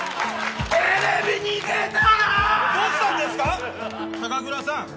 どうしたんですか？